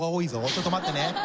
ちょっと待ってね。